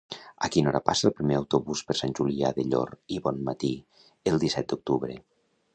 A quina hora passa el primer autobús per Sant Julià del Llor i Bonmatí el disset d'octubre?